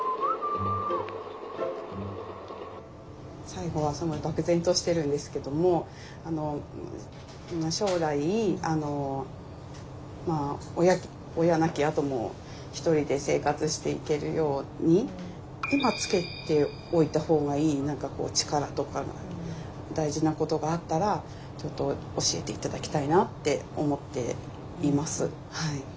最後はすごい漠然としてるんですけども将来親亡きあともひとりで生活していけるように今つけておいた方がいい何かこう力とかが大事なことがあったらちょっと教えて頂きたいなって思っています。